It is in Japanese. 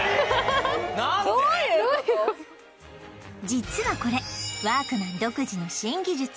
実はこれワークマン独自の新技術